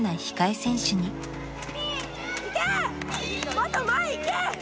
もっと前いけ！